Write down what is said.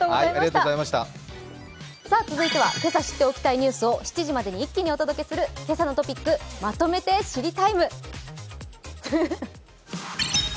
続いてはけさ知っておきたいニュースを７時までに一気にお届けする「けさのトピックまとめて知りＴＩＭＥ，」。